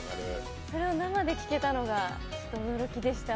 それを生で聴けたのが驚きでした。